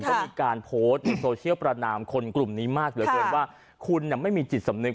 ก็มีการโพสต์ในโซเชียลประนามคนกลุ่มนี้มากเหลือเกินว่าคุณไม่มีจิตสำนึก